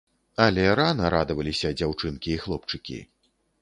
Але рана радаваліся дзяўчынкі і хлопчыкі.